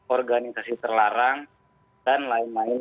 organisasi terlarang dan lain lain